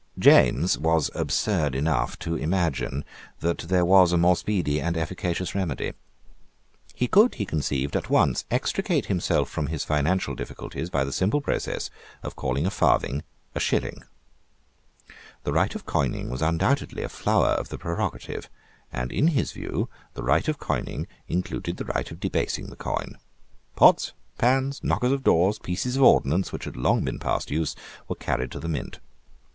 James was absurd enough to imagine that there was a more speedy and efficacious remedy. He could, he conceived, at once extricate himself from his financial difficulties by the simple process of calling a farthing a shilling. The right of coining was undoubtedly a flower of the prerogative; and, in his view, the right of coining included the right of debasing the coin. Pots, pans, knockers of doors, pieces of ordnance which had long been past use, were carried to the mint.